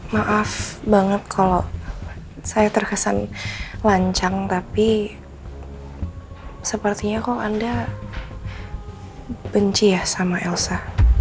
maaf banget kalau saya terkesan lancang tapi sepertinya kok anda benci ya sama elsa